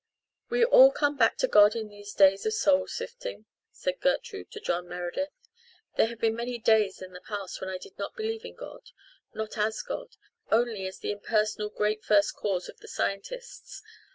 "We all come back to God in these days of soul sifting," said Gertrude to John Meredith. "There have been many days in the past when I didn't believe in God not as God only as the impersonal Great First Cause of the scientists.